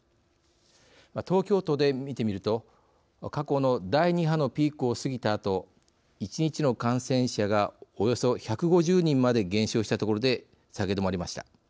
東京都で見てみると過去の第２波のピークを過ぎたあと１日の感染者がおよそ１５０人まで減少したところで下げ止まりました。